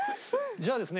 じゃあですね